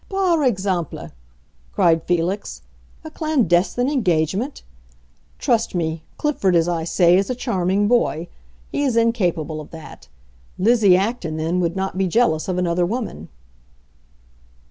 "Par exemple!" cried Felix. "A clandestine engagement? Trust me, Clifford, as I say, is a charming boy. He is incapable of that. Lizzie Acton, then, would not be jealous of another woman."